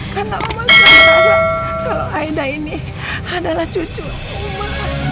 karena oma sudah tahu kalau aida ini adalah cucu oma